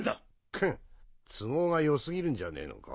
ケッ都合が良過ぎるんじゃねえのか？